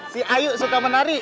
si ayu suka menari